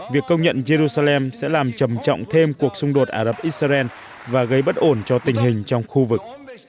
việc công nhận jerusalem sẽ làm trầm trọng thêm cuộc xung đột ả rập xên và gây bất ổn cho tình hình trong khu vực